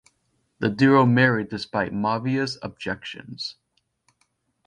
The duo married despite Maivia's objections.